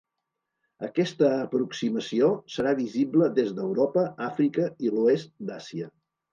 Aquesta aproximació serà visible des d'Europa, Àfrica i l'oest d'Àsia.